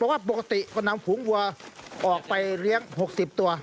บอกว่าปกติก็นำฝูงวัวออกไปเลี้ยง๖๐ตัว